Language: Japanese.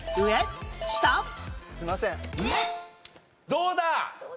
どうだ？